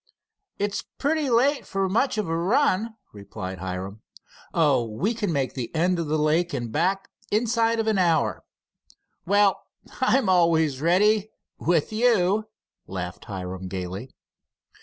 "It's pretty late for much of a run," replied Hiram. "Oh, we can make the end of the lake and back inside of an hour." "Well, I'm always ready with you," laughed Hiram gaily.